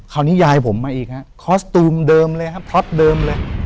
ยายผมมาอีกฮะคอสตูมเดิมเลยครับพล็อปเดิมเลย